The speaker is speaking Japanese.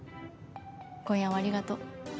今夜はありがとう。